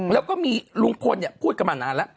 แล้วก็มีลุงพลพูดกันมานานแล้ว